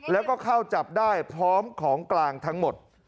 แล้วก็เข้าจับได้พร้อมของกลางทั้งหมด